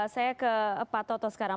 saya ke pak toto sekarang